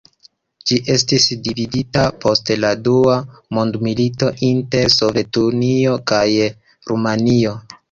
Ĝi estis dividita post la dua mondmilito inter Sovetunio kaj Rumanio.